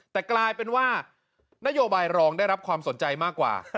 แต่กลายเป็นว่านโยบายรองได้รับความสนใจมากกว่า